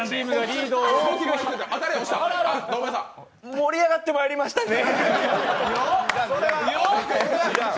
盛り上がってまいりましたね。